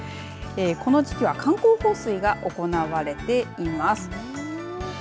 この時期は観光放水が行われています。